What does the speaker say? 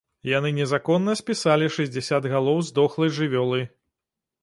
Яны незаконна спісалі шэсцьдзесят галоў здохлай жывёлы.